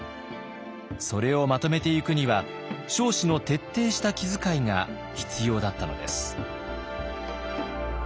それをまとめていくには彰子の徹底した気遣いが必要だったのです。